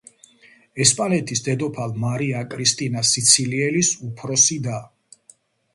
ესპანეთის დედოფალ მარია კრისტინა სიცილიელის უფროსი და.